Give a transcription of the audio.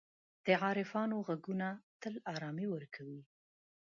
د عارفانو ږغونه تل آرامي ورکوي.